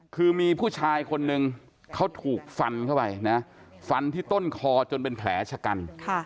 คือมีผู้ชายคนนึงเขาถูกฟันเข้าไปนะฟันที่ต้นคอจนเป็นแผลชะกัน